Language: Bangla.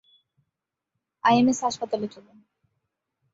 আইএমএস হাসপাতালে চলুন।